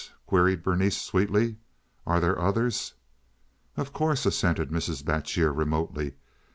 queried Berenice, sweetly. "Are there others?" "Of course," assented Mrs. Batjer, remotely.